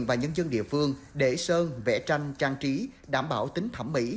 và nhân dân địa phương để sơn vẽ tranh trang trí đảm bảo tính thẩm mỹ